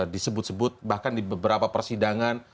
disebut sebut bahkan di beberapa persidangan